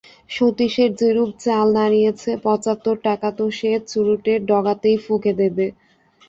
সতীশের যেরূপ চাল দাঁড়িয়েছে, পঁচাত্তর টাকা তো সে চুরুটের ডগাতেই ফুঁকে দেবে।